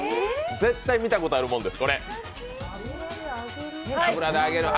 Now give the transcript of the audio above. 絶対見たことあるものです。